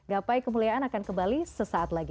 gapai kemuliaan akan kembali sesaat lagi